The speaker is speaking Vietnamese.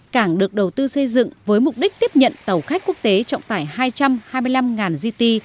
cảng được đầu tư xây dựng với mục đích tiếp nhận tàu khách quốc tế trọng tải hai trăm hai mươi năm gt